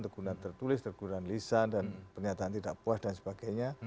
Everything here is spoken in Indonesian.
teguran tertulis teguran lisan dan pernyataan tidak puas dan sebagainya